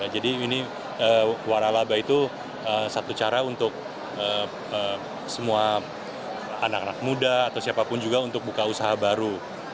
jadi ini waralaba itu satu cara untuk semua anak anak muda atau siapapun juga untuk buka usaha baru